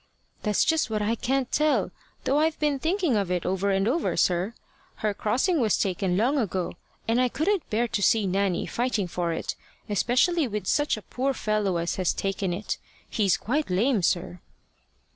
"That's just what I can't tell, though I've been thinking of it over and over, sir. Her crossing was taken long ago, and I couldn't bear to see Nanny fighting for it, especially with such a poor fellow as has taken it. He's quite lame, sir."